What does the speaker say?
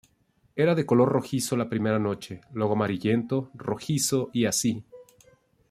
Era de color rojizo la primera noche, luego amarillento-rojizo y así.